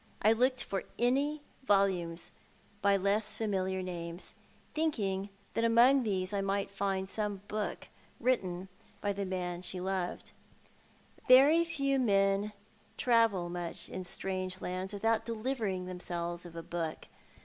I looked for any volumes by less familiar names, thinking that among these I might find some book written by 2 2 TJi02i art the Man. the man she loved. Very few men travel mucli in strange lands without delivering themselves of a book.